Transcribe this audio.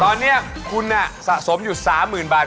ตอนนี้คุณสะสมอยู่๓๐๐๐บาท